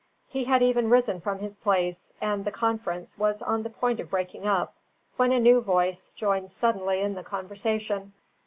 He had even risen from his place, and the conference was on the point of breaking up, when a new voice joined suddenly in the conversation.